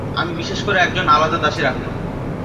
আমি বিশেষ করে একজন আলাদা দাসী রাখলুম।